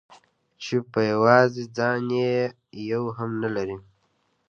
چې په يوازې ځان يې يو هم نه لري.